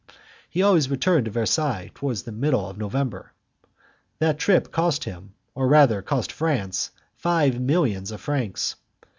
He always returned to Versailles towards the middle of November. That trip cost him, or rather cost France, five millions of francs.